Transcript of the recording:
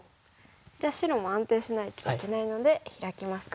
じゃあ白も安定しないといけないのでヒラきますか。